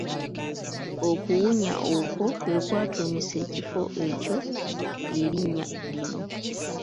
Okuwunya okwo kwe kwatuumisa ekifo ekyo erinnya lino.